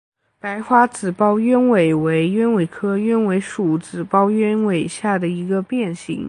白花紫苞鸢尾为鸢尾科鸢尾属紫苞鸢尾下的一个变型。